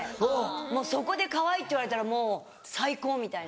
もうそこでかわいいって言われたらもう最高みたいな。